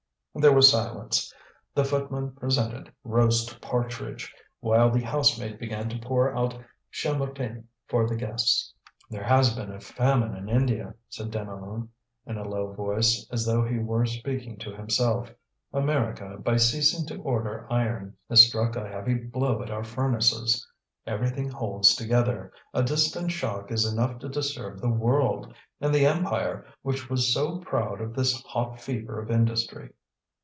There was silence. The footman presented roast partridge, while the housemaid began to pour out Chambertin for the guests. "There has been a famine in India," said Deneulin in a low voice, as though he were speaking to himself. "America, by ceasing to order iron, has struck a heavy blow at our furnaces. Everything holds together; a distant shock is enough to disturb the world. And the empire, which was so proud of this hot fever of industry!"